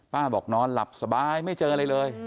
บอกนอนหลับสบายไม่เจออะไรเลย